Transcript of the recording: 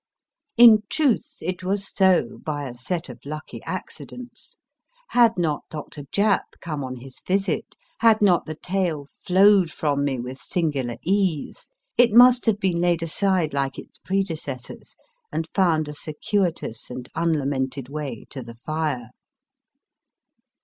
In truth it was so by a set of lucky accidents ; had not Dr. Japp come on his visit, had not the tale flowed from me with singular ease, it must have been laid aside like its predecessors, and found a circuitous and unlamented way to the fire.